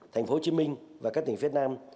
thành phố hồ chí minh và các tỉnh phía nam